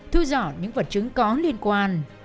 thu dọn những vật chứng có liên quan